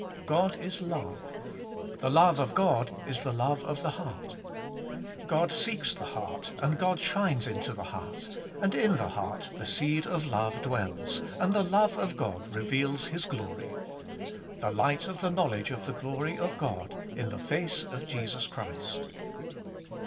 God is love. The love of God is the love of the heart. God seeks the heart, and God shines into the heart, and in the heart the seed of love dwells, and the love of God reveals His glory. The light of the knowledge of the glory of God in the face of Jesus Christ.